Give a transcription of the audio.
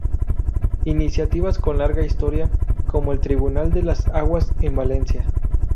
Iniciativas con larga historia, como el Tribunal de las Aguas en Valencia